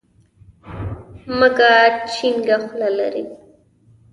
مږه چينګه خوله لري.